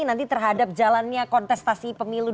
nanti terhadap jalannya kontestasi pemilu